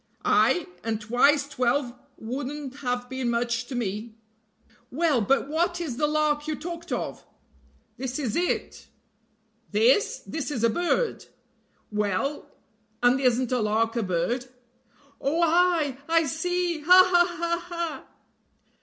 "Ay! and twice twelve wouldn't have been much to me." "Well, but what is the lark you talked of?" "This is it." "This? This is a bird." "Well, and isn't a lark a bird?" "Oh, ay! I see! ha! ha! ha! ha!"